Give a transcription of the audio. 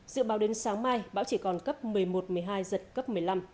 dự báo đến sáng mai bão chỉ còn cấp một mươi một một mươi hai giật cấp một mươi năm